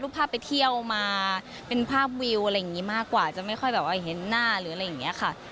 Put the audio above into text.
ภาพไปเที่ยวมาเป็นภาพวิวอะไรอย่างนี้มากกว่าจะไม่ค่อยแบบว่าเห็นหน้าหรืออะไรอย่างนี้ค่ะ